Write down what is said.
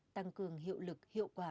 tăng cường hiệu lực hiệu quả